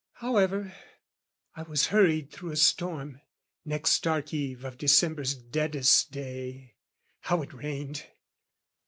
However, I was hurried through a storm, Next dark eve of December's deadest day How it rained!